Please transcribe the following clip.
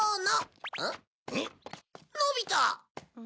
のび太！